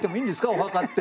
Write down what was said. お墓って。